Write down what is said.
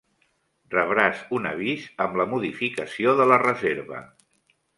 Rebràs un avís amb la modificació de la reserva.